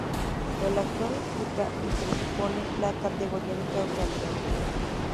El actuar implica y presupone la categoría de causalidad.